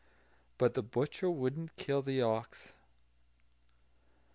But the butcher wouldn't kill the ox.